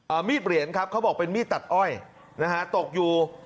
มีดเหรียญครับเขาบอกเป็นมีดตัดอ้อยนะฮะตกอยู่